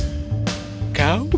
kamu berada di kantormu